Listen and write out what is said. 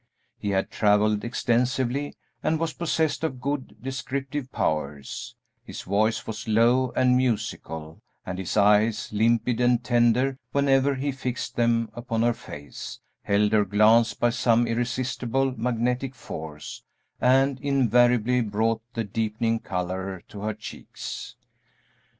He had travelled extensively and was possessed of good descriptive powers; his voice was low and musical, and his eyes, limpid and tender whenever he fixed them upon her face, held her glance by some irresistible, magnetic force, and invariably brought the deepening color to her cheeks.